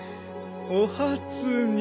お初に。